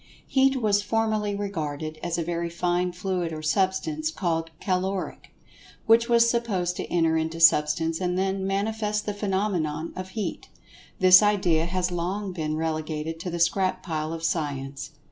Heat was formerly regarded as a very fine fluid or substance, called "caloric," which was supposed to enter into Substance and then manifest the phenomenon of "heat." This idea has long since been relegated to the scrap pile of Science.